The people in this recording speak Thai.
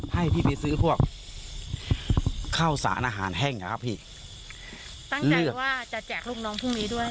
ให้พี่ไปซื้อพวกข้าวสารอาหารแห้งเหรอครับพี่ตั้งใจว่าจะแจกลูกน้องพรุ่งนี้ด้วย